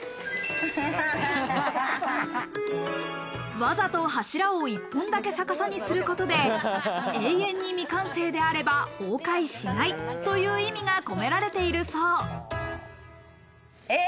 わざと柱を一本だけ逆さにすることで、永遠に未完成であれば崩壊しないという意味が込められているそう。